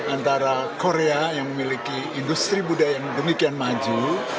antara korea yang memiliki industri budaya yang demikian maju